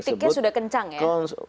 kritiknya sudah kencang ya